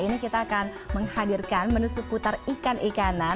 ini kita akan menghadirkan menu seputar ikan ikan